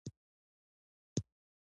آیا د کانونو امنیت ساتل کیږي؟